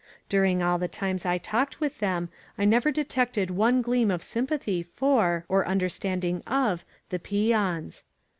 During all the times I talked with them I never detected one gleam of sympathy for, or understanding of, the peons.